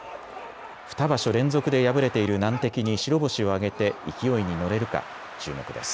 ２場所連続で敗れている難敵に白星を挙げて勢いに乗れるか注目です。